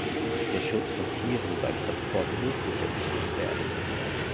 Der Schutz von Tieren beim Transport muss sichergestellt werden.